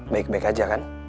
baik baik aja kan